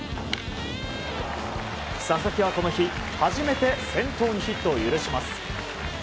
佐々木はこの日初めて先頭にヒットを許します。